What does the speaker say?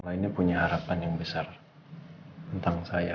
lainnya punya harapan yang besar tentang saya